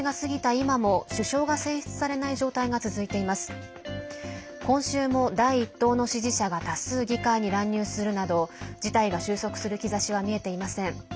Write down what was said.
今週も第１党の支持者が多数、議会に乱入するなど事態が収束する兆しは見えていません。